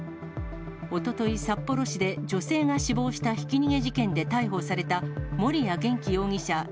おととい、札幌市で女性が死亡したひき逃げ事件で逮捕された、森谷元気容疑者